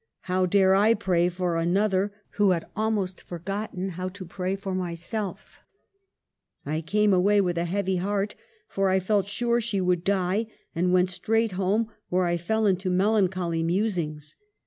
How dare I pray for another, who had almost forgotten how to pray for myself ? I came away with a heavy heart, for I felt sure she would die, and went straight home, where I fell into melancholy musings.